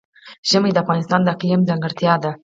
ژمی د افغانستان د اقلیم ځانګړتیا ده.